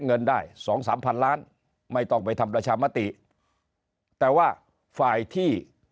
เงินได้สองสามพันล้านไม่ต้องไปทำประชามติแต่ว่าฝ่ายที่